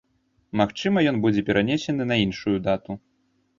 Магчыма, ён будзе перанесены на іншую дату.